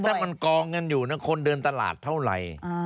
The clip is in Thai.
ถ้ามันกองกันอยู่นะคนเดินตลาดเท่าไหร่